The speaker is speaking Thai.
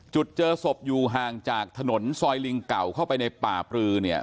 เจอศพอยู่ห่างจากถนนซอยลิงเก่าเข้าไปในป่าปลือเนี่ย